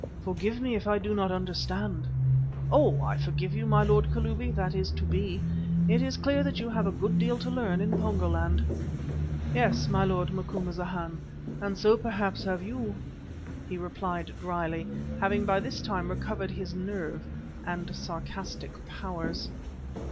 Forgive me if I do not understand." "Oh! I forgive you, my lord Kalubi that is to be. It is clear that you have a good deal to learn in Pongo land." "Yes, my lord Macumazana, and so perhaps have you," he replied dryly, having by this time recovered his nerve and sarcastic powers.